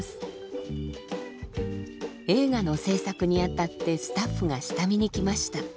映画の製作にあたってスタッフが下見に来ました。